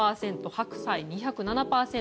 白菜２０７％。